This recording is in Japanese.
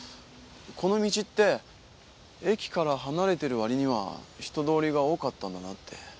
この道って駅から離れてる割には人通りが多かったんだなって。